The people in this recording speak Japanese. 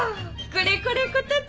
これこれこたつ！